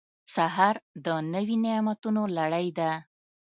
سهار د نوي نعمتونو لړۍ ده.